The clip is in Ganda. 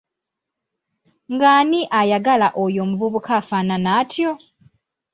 Ng’ani ayagala oyo omuvubuka afaanana atyo!